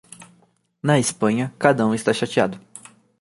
Na Espanha, cada um está chateado.